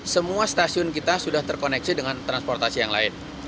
semua stasiun kita sudah terkoneksi dengan transportasi yang lain